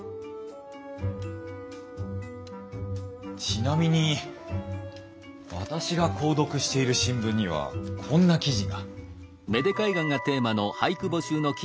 ちなみに私が購読している新聞にはこんな記事が。